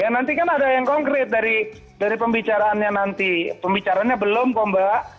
ya nanti kan ada yang konkret dari pembicaraannya nanti pembicaranya belum kok mbak